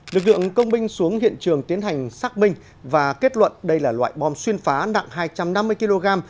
lực lượng công binh xuống hiện trường tiến hành xác minh và kết luận đây là loại bom xuyên phá nặng hai trăm năm mươi kg